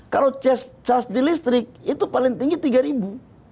kalau cas di listrik itu paling tinggi tiga ribu